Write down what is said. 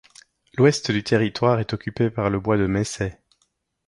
L'ouest du territoire est occupé par le bois de Messei.